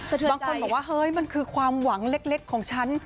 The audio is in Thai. บางคนบอกว่าเฮ้ยมันคือความหวังเล็กของฉัน